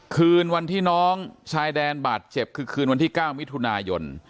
คืนวันที่น้องชายแดนบาดเจ็บคือคืนวันที่๙มิถุนายน